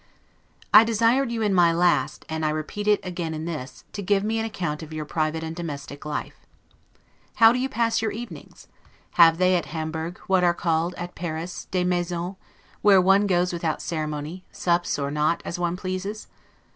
I desired you in my last, and I repeat it again in this, to give me an account of your private and domestic life. How do you pass your evenings? Have they, at Hamburg, what are called at Paris 'des Maisons', where one goes without ceremony, sups or not, as one pleases?